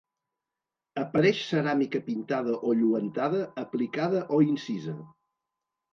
Apareix ceràmica pintada o lluentada, aplicada o incisa.